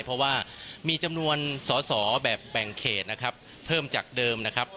เพราะว่ามีจำนวนสอสอแบบแบ่งเขตนะครับเพิ่มจากเดิมนะครับ